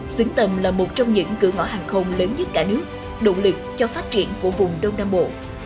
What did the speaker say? xứng tầm là một trong những cửa ngõ hàng không lớn nhất cả nước động lực cho phát triển của vùng đông nam bộ